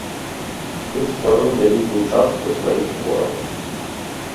Тут стварыў вялікую частку сваіх твораў.